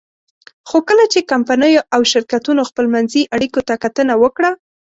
خو کله چې کمپنیو او شرکتونو خپلمنځي اړیکو ته کتنه وکړه.